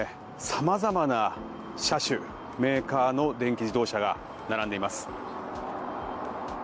様々な車種、メーカーの電気自動車が並んでいます。